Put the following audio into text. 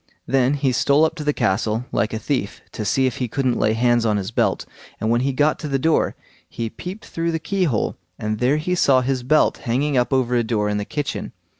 Then he stole up to the castle, like a thief, to see if he couldn't lay hands on his belt; and when he got to the door, he peeped through the keyhole, and there he saw his belt hanging up over a door in the kitchen.